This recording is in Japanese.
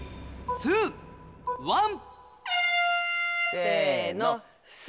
せの。